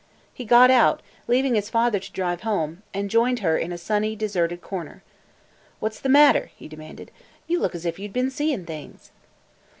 He got out, leaving his father to drive home, and joined her in a sunny, deserted corner. "What 's the matter?" he demanded. " You look as if you 'd been seein' things!"